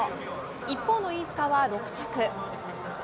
一方の飯塚は６着。